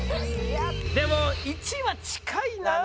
でも１は近いなあ。